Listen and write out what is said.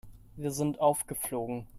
Wir sind aufgeflogen.